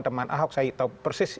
teman ahok saya tahu persis